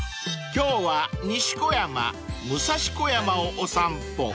［今日は西小山武蔵小山をお散歩］